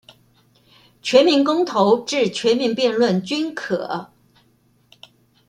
全民公投至全民辯論均可